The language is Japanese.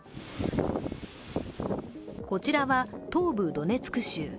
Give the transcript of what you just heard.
こちらは東部ドネツク州。